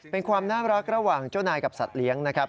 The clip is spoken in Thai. เป็นความน่ารักระหว่างเจ้านายกับสัตว์เลี้ยงนะครับ